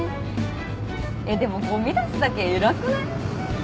えっでもごみ出すだけ偉くない？